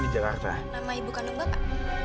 baik terima kasih atas informasi ini bapak